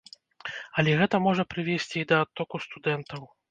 Але гэта можа прывесці і да адтоку студэнтаў.